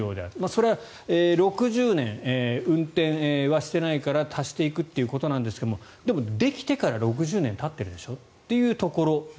それは６０年、運転はしていないから足していくということなんですがでもできてから６０年たってるでしょというところ。